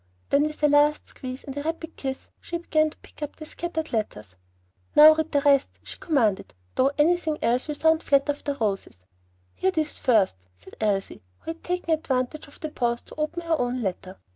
Then with a last squeeze and a rapid kiss she began to pick up the scattered letters. "Now read the rest," she commanded, "though anything else will sound flat after Rose's." "Hear this first," said Elsie, who had taken advantage of the pause to open her own letter.